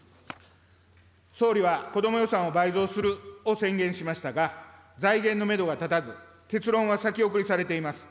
総理は子ども予算を倍増するを宣言しましたが、財源のメドが立たず、結論は先送りされています。